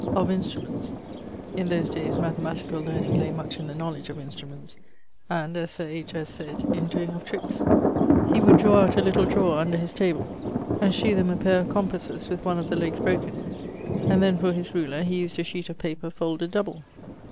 of instruments (in those dayes mathematicall learning lay much in the knowledge of instruments, and, as Sir H. S. sayd, in doeing of tricks), he would drawe out a little drawer under his table, and shew them a paire of compasses with one of the legges broken; and then, for his ruler, he used a sheet of paper folded double.